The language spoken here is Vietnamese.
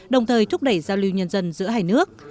đồng thời thúc đẩy giao lưu nhân dân giữa hai nước